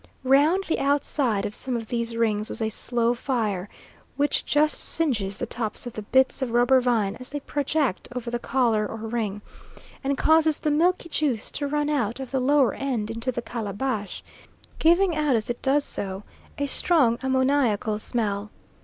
Round the outside of some of these rings was a slow fire, which just singes the tops of the bits of rubber vine as they project over the collar or ring, and causes the milky juice to run out of the lower end into the calabash, giving out as it does so a strong ammoniacal smell.